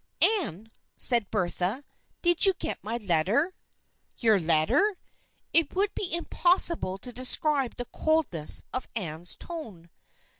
" Anne," said Bertha, " did you get my letter ?"" Your letter?" It would be impossible to de scribe the coldness of Anne's tone.